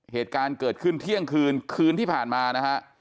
เหตุการณ์เกิดขึ้นเที่ยงคืนคืนที่ผ่านมานะฮะ